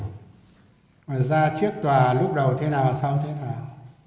ngoài ra chiếc tòa lúc đầu thế nào sau thế nào